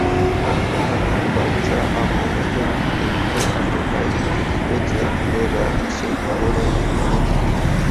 আমার বাচ্চা আপনাকে দেখে এতটাই উত্তেজিত যে, পুরো রাত সে ঘুমেনি।